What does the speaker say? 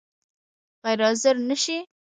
غیر حاضر نه شې؟